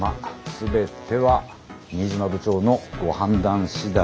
全ては新島部長のご判断次第ですが。